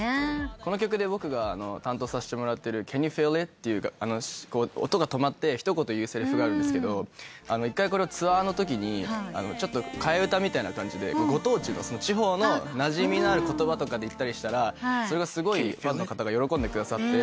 この曲で僕が担当させてもらってる「Ｃａｎｙｏｕｆｅｅｌｉｔ？」って音が止まって一言言うせりふがあるんですけど１回これをツアーのときに替え歌みたいな感じでご当地の地方のなじみのある言葉で言ったりしたらすごいファンの方が喜んでくださって。